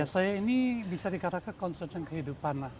saya ini bisa dikatakan konsultasi kehidupan